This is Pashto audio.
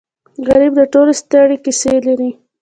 غریب د ټولو ستړې کیسې لري